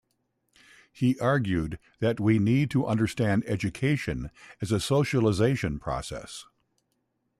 He argued that we need to understand "education" as a socialization process.